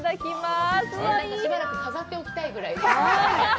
しばらく飾っておきたいぐらい。